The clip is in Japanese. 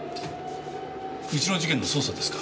うちの事件の捜査ですか？